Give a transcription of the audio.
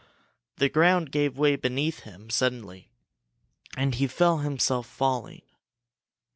The ground gave way beneath him suddenly and he felt himself falling.